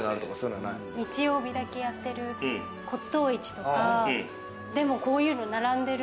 日曜日だけやってる骨董市とか、でもこういうの並んでる。